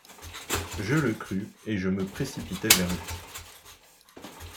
Je le crus et je me précipitai vers lui.